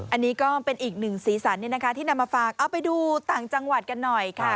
อันนี้ก็เป็นอีกหนึ่งสีสันที่นำมาฝากเอาไปดูต่างจังหวัดกันหน่อยค่ะ